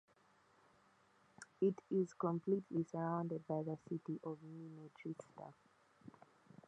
It is completely surrounded by the city of Minnetrista.